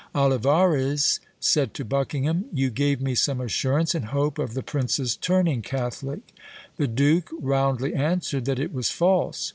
Olivares said to Buckingham, "You gave me some assurance and hope of the prince's turning catholic." The duke roundly answered that it was false.